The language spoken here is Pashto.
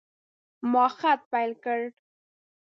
ما خط پیل کړ.